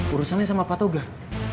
urusannya sama patogar